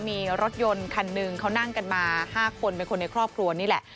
มีรถยนต์คันหนึ่งเขานั่งกันมา๕คนเป็นคนในครอบครัวนี่แหละ